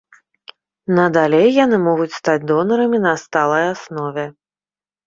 Надалей яны могуць стаць донарамі на сталай аснове.